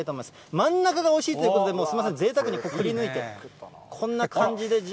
真ん中がおいしいということで、すみません、ぜいたくにくりぬいて、こんな感じで。